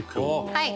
はい。